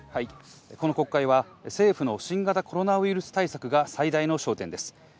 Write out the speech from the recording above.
この国会は政府の新型コロナウイルス対策が最大の焦点です。